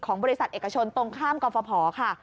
บริษัทเอกชนตรงข้ามกรฟภค่ะ